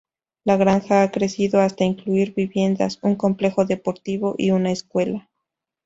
La granja ha crecido hasta incluir viviendas, un complejo deportivo y una escuela.